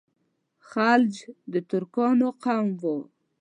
خلج د ترکانو قوم وو.